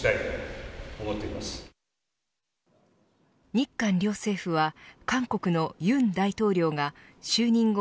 日韓両政府は韓国の尹大統領が就任後